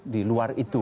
di luar itu